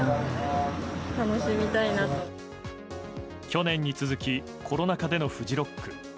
去年に続きコロナ禍でのフジロック。